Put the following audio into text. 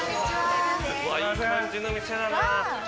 うわいい感じの店だな。